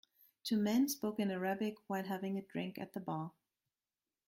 Two men spoke in Arabic while having a drink at the bar.